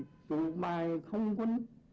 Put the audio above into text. chủ bài không quân